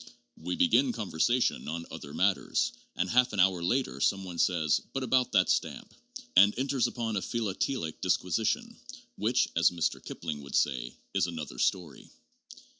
We begin conversation on other matters, and half an hour later some one says, "But about that stamp," and enters upon a philatelic disquisition, which, as Mr. Kipling would say, is another story.